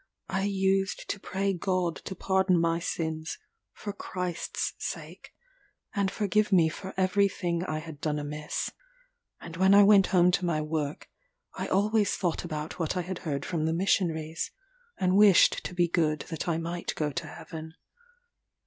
I used to pray God to pardon my sins for Christ's sake, and forgive me for every thing I had done amiss; and when I went home to my work, I always thought about what I had heard from the missionaries, and wished to be good that I might go to heaven.